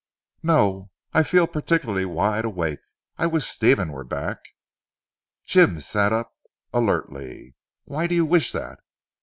"No, I feel particularly wide awake. I wish Stephen were back!" Dr. Jim sat up alertly. "Why do you wish that?"